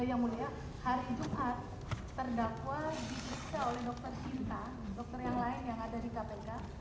yang mulia hari jumat terdakwa diperiksa oleh dokter sinta dokter yang lain yang ada di kpk